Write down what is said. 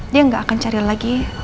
dia nggak akan cari lagi